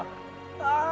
ああ。